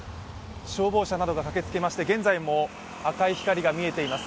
消防車などが駆けつけまして現在も赤い光が見えています。